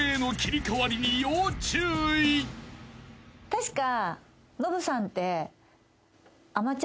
確か。